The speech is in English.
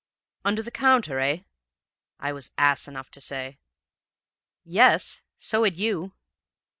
"'Under the counter eh?' I was ass enough to say. "'Yes; so had you!'